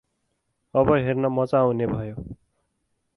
अब हेर्न मजा आउने भयो।